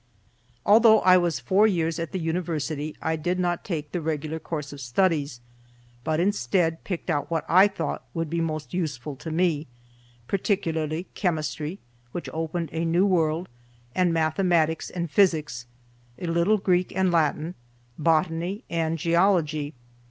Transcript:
Although I was four years at the University, I did not take the regular course of studies, but instead picked out what I thought would be most useful to me, particularly chemistry, which opened a new world, and mathematics and physics, a little Greek and Latin, botany and geology.